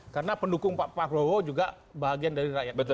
karena pendukung pak prabowo juga bagian dari rakyat indonesia